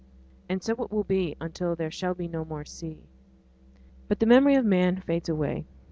And so it will be until 'there shall be no more sea'. But the memory of man fades away.